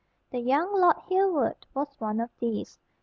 The young lord Hereward was one of these.